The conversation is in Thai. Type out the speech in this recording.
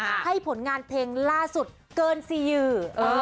ให้ผลงานเพลงล่าสุดเกินซียือ